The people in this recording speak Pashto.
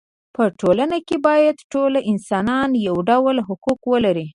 په ټولنه کې باید ټول انسانان یو ډول حقوق ولري.